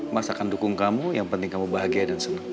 mas akan dukung kamu yang penting kamu bahagia dan senang